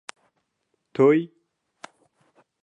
تۆی: